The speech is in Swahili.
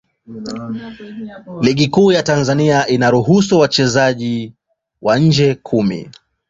Ligi Kuu ya Tanzania inaruhusu wachezaji wa nje kumi.